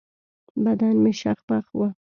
بدن مې شخ پخ و.